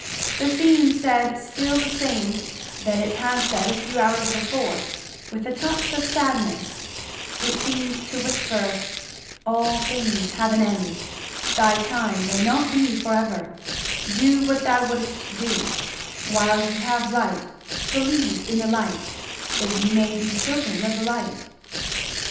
The scene said still the same that it had said a few hours before, with a touch more of sadness; it seemed to whisper, "All things have an end thy time may not be for ever do what thou wouldest do 'while ye have light believe in the light that ye may be children of the light.'"